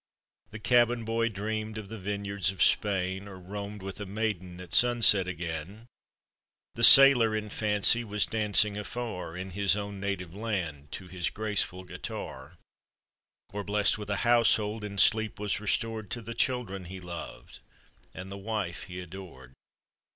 The cabin boy dream'd of the vineyards of Spain. Or roam'd with a maiden at sunset agaiil: The sailor, in fancy, was dancing afar. In his own native land, to his graceful guitar; Or bless'd with a household, in sleep, was restored To the children he loved, and the wife he adored.